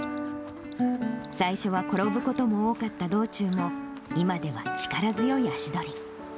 最初は転ぶことも多かった道中も、今では力強い足取り。